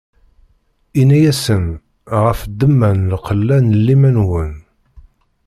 Inna-asen: Ɣef ddemma n lqella n liman-nwen.